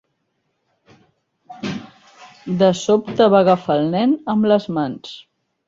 De sobte va agafar el nen amb les mans.